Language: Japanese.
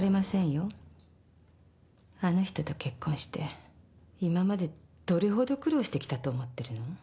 あの人と結婚して今までどれほど苦労してきたと思ってるの？